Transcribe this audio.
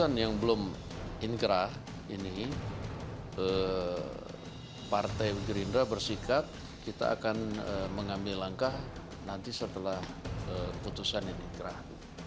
keputusan yang belum inkrah ini partai gerindra bersikap kita akan mengambil langkah nanti setelah putusan ini ingkrah